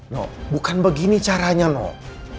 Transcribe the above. noh bukan begini caranya noh